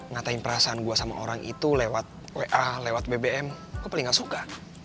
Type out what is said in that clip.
ngatain perasaan gue sama orang itu lewat wa lewat bbm gue paling gak suka